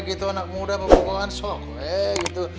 gitu anak muda berbohongan sok weh gitu